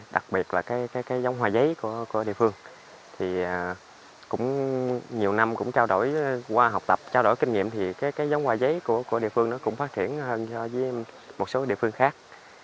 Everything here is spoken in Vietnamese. để đạt hiệu quả cao hơn so với các địa phương khác